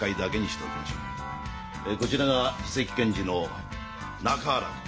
こちらが次席検事の中原君。